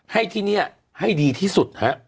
ให้ที่นี่ให้ดีที่สุดฮะ